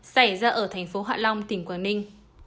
xảy ra ở tp hạ long tỉnh quảng ninh